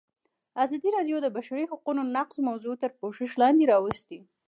ازادي راډیو د د بشري حقونو نقض موضوع تر پوښښ لاندې راوستې.